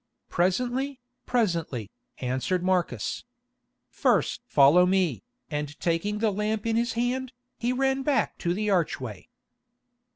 "Presently, presently," answered Marcus. "First follow me," and taking the lamp in his hand, he ran back to the archway.